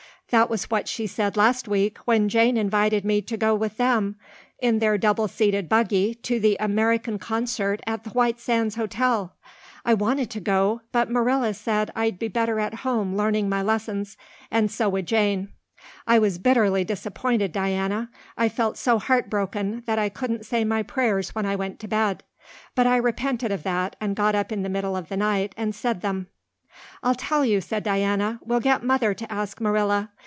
That was what she said last week when Jane invited me to go with them in their double seated buggy to the American concert at the White Sands Hotel. I wanted to go, but Marilla said I'd be better at home learning my lessons and so would Jane. I was bitterly disappointed, Diana. I felt so heartbroken that I wouldn't say my prayers when I went to bed. But I repented of that and got up in the middle of the night and said them." "I'll tell you," said Diana, "we'll get Mother to ask Marilla.